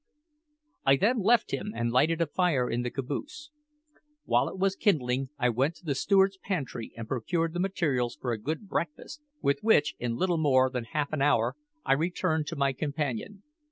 I then left him, and lighted a fire in the caboose. While it was kindling, I went to the steward's pantry and procured the materials for a good breakfast, with which, in little more than half an hour, I returned to my companion.